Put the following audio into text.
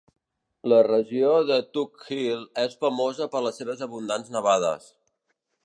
La regió de Tug Hill és famosa per les seves abundants nevades.